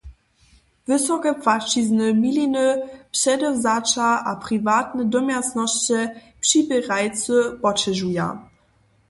Wysoke płaćizny miliny předewzaća a priwatne domjacnosće přiběrajcy poćežuja.